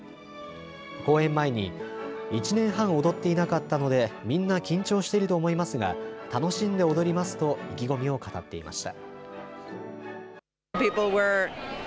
公演前に、１年半踊っていなかったのでみんな緊張していると思いますが楽しんで踊りますと意気込みを語っていました。